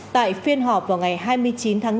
tại phiên họp vào ngày hai mươi chín tháng bốn